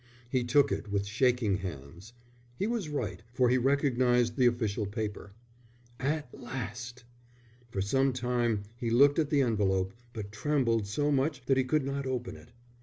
He took it with shaking hands. He was right, for he recognized the official paper. At last! For some time he looked at the envelope, but trembled so much that he could not open it.